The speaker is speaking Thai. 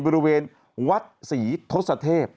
บริเวณวัดศรีทศเทพ